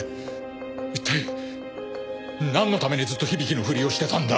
一体なんのためにずっと響のふりをしてたんだ！？